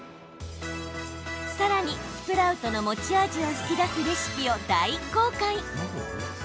さらに、スプラウトの持ち味を引き出すレシピを大公開！